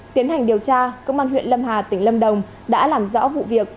tiến hành điều tra công an huyện lâm hà tỉnh lâm đồng đã làm rõ vụ việc